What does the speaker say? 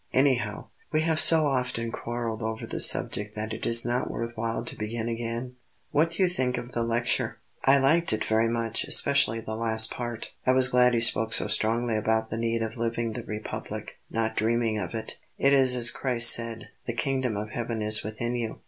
Anyhow, we have so often quarreled over this subject that it is not worth while to begin again. What did you think of the lecture?" "I liked it very much especially the last part. I was glad he spoke so strongly about the need of living the Republic, not dreaming of it. It is as Christ said: 'The Kingdom of Heaven is within you.'"